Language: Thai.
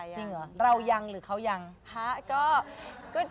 จริงเหรอเรายังหรือเขายังฮะ